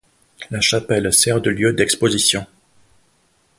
La chapelle sert de lieu d'exposition.